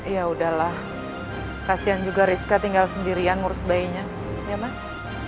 ya udahlah kasihan juga rizka tinggal sendirian ngurus bayinya ya mas